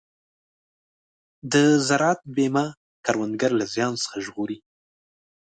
د زراعت بیمه کروندګر له زیان څخه ژغوري.